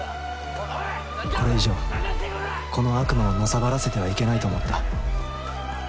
これ以上この悪魔をのさばらせてはいけないと思った。